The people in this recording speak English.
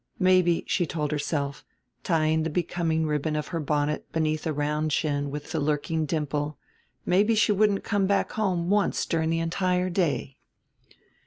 Maybe, she told herself, tying the becoming ribbon of her bonnet beneath a round chin with a lurking dimple, maybe she wouldn't come back home once during the entire day!